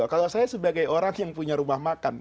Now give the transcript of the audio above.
kalau saya sebagai orang yang punya rumah makan